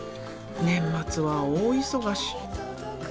年末は大忙し。